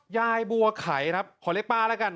ยายบัวไขครับขอเรียกป้าแล้วกัน